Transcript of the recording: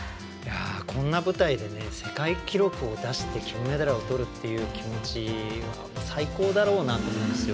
こんな舞台で世界記録を出して金メダルをとる気持ちは最高だろうなと思うんですよ。